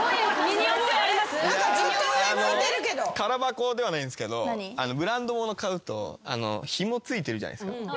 空箱ではないんすけどブランド物買うとひもついてるじゃないですか。